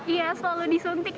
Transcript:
iya selalu disuntik